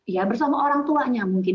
ya bersama orang tuanya mungkin